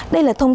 đây là thông tin